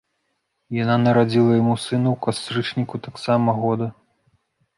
Яна нарадзіла яму сына ў кастрычніку таксама года.